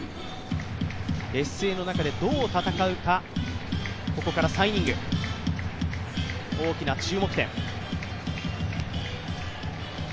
劣勢の中でどう戦うか、ここから３イニング、大きな注目点。